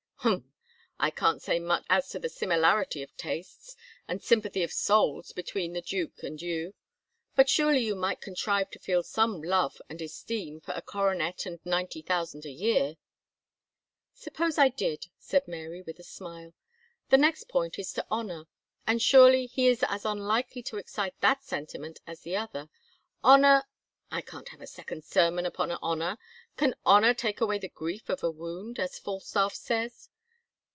"Humph! I can't say much as to the similarity of tastes and sympathy of souls between the Duke and you, but surely you might contrive to feel some love and esteem for a coronet and ninety thousand a year." "Suppose I did," said Mary, with a smile, "the next point is to honour; and surely he is as unlikely to excite that sentiment as the other. Honour " "I can't have a second sermon upon honour. 'Can honour take away the grief of a wound?' as Falstaff says.